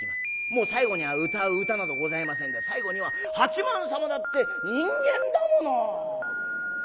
もう最後には歌う歌などございませんで最後には「八幡様だって人間だもの」。